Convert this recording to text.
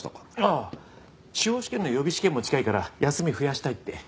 ああ司法試験の予備試験も近いから休み増やしたいって。